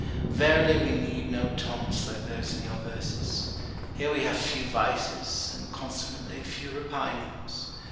Verily we need no taunts like those in your verses : here we have few vices, and con sequently few repinings.